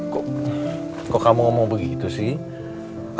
kok kok kamu ngomong begitu sih